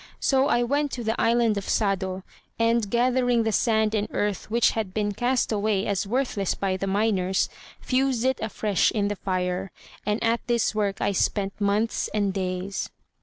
So I went to the island of Sado, and gathering the sand and earth which had been cast away as worthless by the miners, fused it afresh in the fire; and at this work I spent months and days."